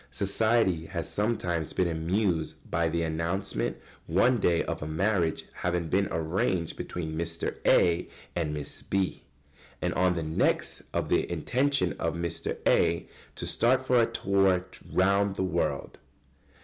] Society has sometimes been amused by the announcement one day of a "marriage having been arranged between Mr. A. and Miss B.," and on the next of the intention of Mr. A. to start for a tour round the world.